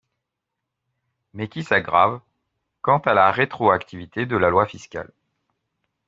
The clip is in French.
mais qui s’aggravent, quant à la rétroactivité de la loi fiscale.